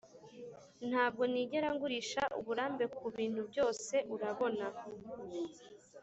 ntabwo nigera ngurisha uburambe kubintu byose, urabona.